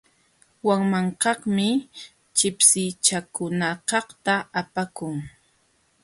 Wanmankaqmi chipchichakunakaqta apakun.